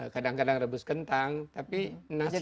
kadang kadang rebus kentang tapi nasi selalu